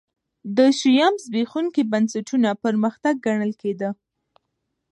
د شیام زبېښونکي بنسټونه پرمختګ ګڼل کېده.